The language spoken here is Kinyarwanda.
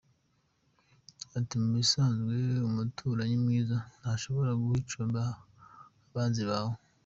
Ati “Mu bisanzwe, umuturanyi mwiza ntashobora guha icumbi abanzi bawe.